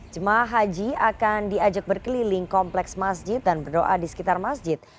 jemaah haji akan diajak berkeliling kompleks masjid dan berdoa di sekitar masjid